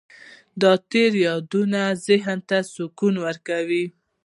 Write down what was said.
د تېرو یادونه ذهن ته سکون ورکوي.